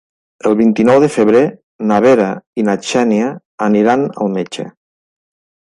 El vint-i-nou de febrer na Vera i na Xènia aniran al metge.